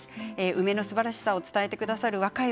梅のすばらしさを教えてくれる若い